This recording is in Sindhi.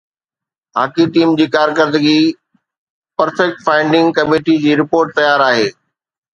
هاڪي ٽيم جي ڪارڪردگي پرفيڪٽ فائنڊنگ ڪميٽي جي رپورٽ تيار آهي